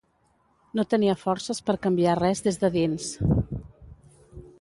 No tenia forces per canviar res des de dins.